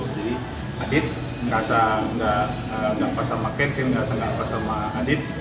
jadi adik merasa enggak apa sama ken ken merasa enggak apa sama adik